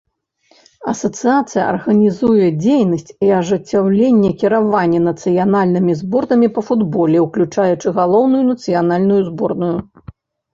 Асацыяцыя арганізуе дзейнасць і ажыццяўляе кіраванне нацыянальнымі зборнымі па футболе, уключаючы галоўную нацыянальную зборную.